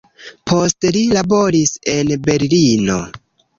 Poste li laboris en Berlino.